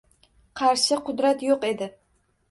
Qarshi qudrat yo’q edi.